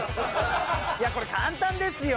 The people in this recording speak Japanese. いやこれ簡単ですよ！